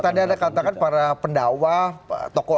tadi ada katakan para pendakwa tokoh